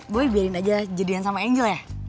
gue biarin aja jadian sama angel ya